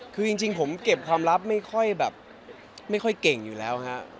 คือจริงผมเก็บความลับไม่ค่อยเก่งอยู่แล้ว